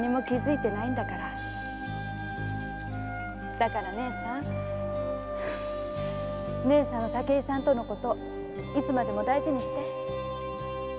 〔だから姉さんは武井さんとのこといつまでも大事にして〕